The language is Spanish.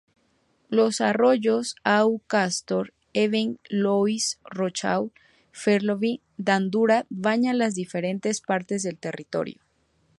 Los arroyos au Castor, Ewing, Louis-Rocheleau y Bellefroid-Dandurand baña las diferentes partes el territorio.